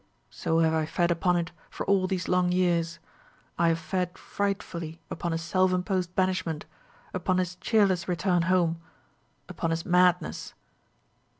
So have I fed upon it for all these long years; I have fed frightfully upon his self imposed banishment, upon his cheerless return home, upon his madness.